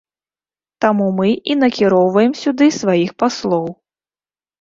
Таму мы і накіроўваем сюды сваіх паслоў.